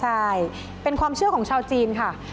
ใช่เป็นความเชื่อของชาวจีนค่ะ